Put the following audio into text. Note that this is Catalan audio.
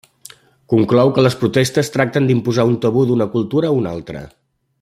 Conclou que les protestes tracten d'imposar un tabú d'una cultura a una altra.